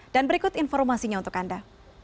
dan berikut informasinya untuk anda